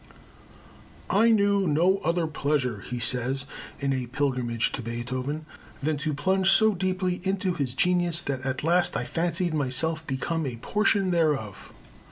"I knew no other pleasure," he says in A Pilgrimage to Beethoven, "than to plunge so deeply into his genius that at last I fancied myself become a portion thereof."